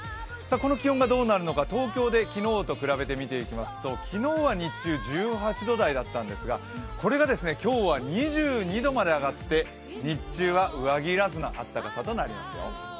この気温がどうなるのか東京で比べてみますと昨日は日中１８度台だったんですがこれが今日は２２度まで上がって日中は上着いらずの暖かさとなりますよ。